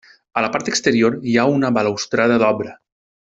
A la part exterior hi ha una balustrada d'obra.